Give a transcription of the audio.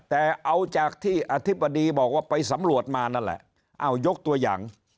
แต่เอาจากที่อธิบดีบอกว่าไปสำรวจมานั่นแหละอ้าวยกตัวอย่าง